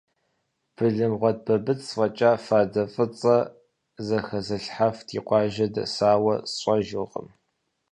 Былымгъуэт Бабыц фӀэкӀа фадэ фӀыцӀэ зэхэзылъхьэф ди къуажэ дэсауэ сщӀэжыркъым.